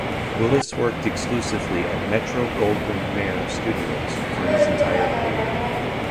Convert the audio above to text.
Willis worked exclusively at Metro-Goldwyn-Mayer studios for his entire career.